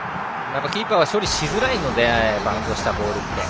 キーパーが処理しづらいのでバウンドしたボールって。